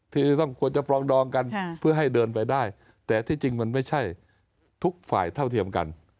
ที่จะต้องควรจะปรองดองกันเพื่อให้เดินไปได้แต่ที่จริงมันไม่ใช่ทุกฝ่ายเท่าเทียมกัน